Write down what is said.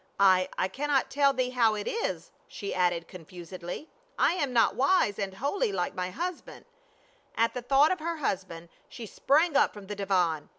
" I — I cannot tell thee how it is," she added confusedly. " I am not wise and holy, like my hus band." At the thought of her husband she sprang up from the divan.